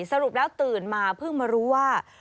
สรุปแล้วตื่นมาเพิ่งมารู้ว่า